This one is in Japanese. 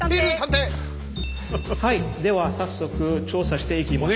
はいでは早速調査していきましょう。